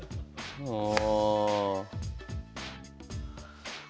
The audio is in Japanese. ああ。